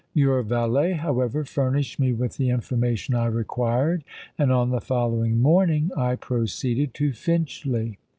Your valet, however, furnished me with the information I required; and on the following morning I proceeded to Finchley.